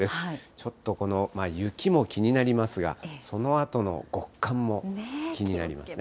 ちょっとこの雪も気になりますが、そのあとの極寒も気になりますね。